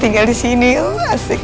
tinggal di sini asik